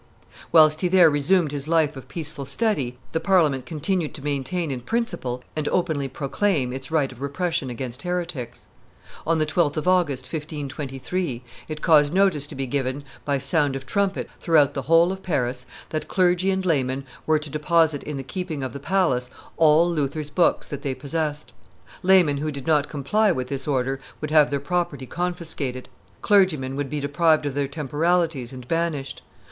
Whilst he there resumed his life of peaceful study, the Parliament continued to maintain in principle and openly proclaim its right of repression against heretics. On the 12th of August, 1523, it caused notice to be given, by sound of trumpet, throughout the whole of Paris, that clergy and laymen were to deposit in the keeping of the Palace all Luther's books that they possessed. Laymen who did not comply with this order would have their property confiscated; clergymen would be deprived of their temporalities and banished.